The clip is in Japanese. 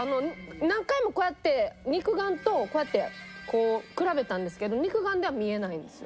何回もこうやって肉眼とこうやってこう比べたんですけど肉眼では見えないんですよ。